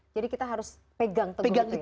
jadi kita harus pegang